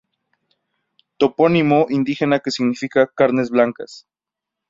Topónimo indígena que significa "carnes blancas".